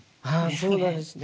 そうなんですね。